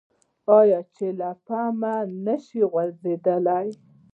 آیا چې له پامه نشي غورځیدلی؟